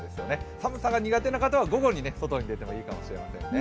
寒さが苦手な方は午後に外に出てもいいかもしれませんね。